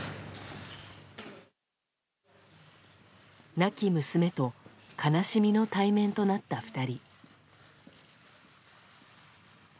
亡き娘と悲しみの対面となった２人。